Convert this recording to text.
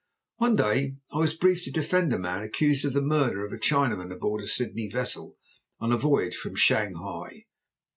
One day I was briefed to defend a man accused of the murder of a Chinaman aboard a Sydney vessel on a voyage from Shanghai.